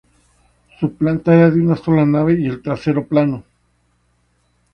Su planta era de una sola nave y el testero plano.